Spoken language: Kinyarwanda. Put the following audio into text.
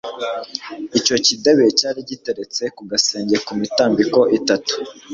icyo kidebe cyari giteretse ku gasenge ku mitambiko itatu